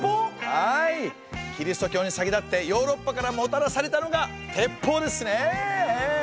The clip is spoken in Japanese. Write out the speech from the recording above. はいキリスト教に先立ってヨーロッパからもたらされたのが鉄砲ですねええ。